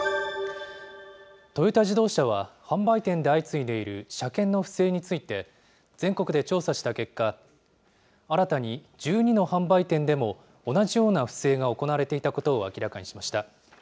トヨタ自動車は、販売店で相次いでいる車検の不正について、全国で調査した結果、新たに１２の販売店でも同じような不正が行われていたことを明らかにしました。